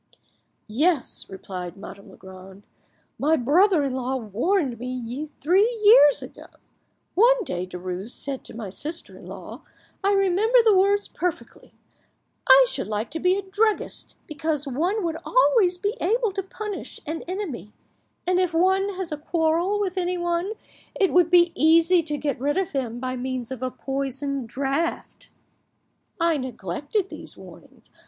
"Yes," replied Madame Legrand, "my brother in law warned me three years ago. One day Derues said to my sister in law,—I remember the words perfectly,—'I should like to be a druggist, because one would always be able to punish an enemy; and if one has a quarrel with anyone it would be easy to get rid of him by means of a poisoned draught.' I neglected these warnings.